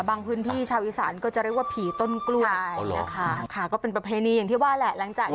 บางพื้นที่ชาวอีสานก็จะเรียกว่าผีต้นกล้วยนะคะก็เป็นประเพณีอย่างที่ว่าแหละ